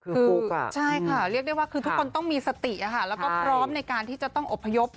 คือใช่ค่ะเรียกได้ว่าคือทุกคนต้องมีสติแล้วก็พร้อมในการที่จะต้องอบพยพ